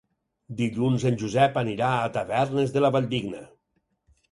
Dilluns en Josep anirà a Tavernes de la Valldigna.